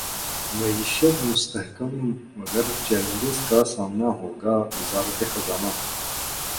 معیشت مستحکم مگر چیلنجز کا سامنا ہوگا وزارت خزانہ